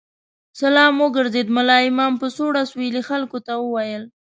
سلام وګرځېد، ملا امام په سوړ اسوېلي خلکو ته وویل.